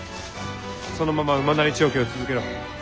そのまま馬なり調教を続けろ。